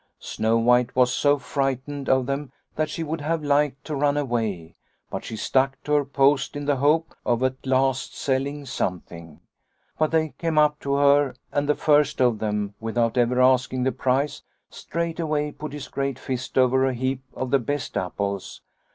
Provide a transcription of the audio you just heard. Snow White was so frightened of them that she would have liked to run away, but she stuck to her post in the hope of at last selling something. " But they came up to her and the first of them, without ever asking the price, straight way put his great fist over a heap of the best apples.